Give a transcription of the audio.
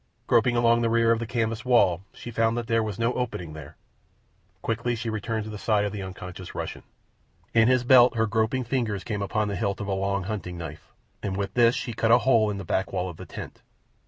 Groping along the rear of the canvas wall, she found that there was no opening there. Quickly she returned to the side of the unconscious Russian. In his belt her groping fingers came upon the hilt of a long hunting knife, and with this she cut a hole in the back wall of the tent.